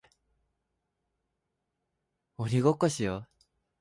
鬼ごっこをしよう